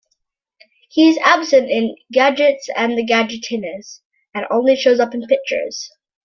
He is absent in "Gadget and the Gadgetinis" and only shows up in pictures.